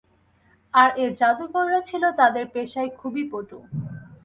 আর এ জাদুকররা ছিল তাদের পেশায় খুবই পটু।